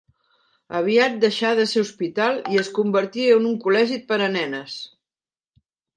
Aviat deixà de ser hospital i es convertí en un col·legi per a nenes.